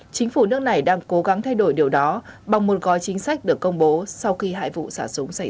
chính phủ nước này đang cố gắng thay đổi điều đó bằng một gói chính sách được công bố sau khi hai vụ xả súng xảy ra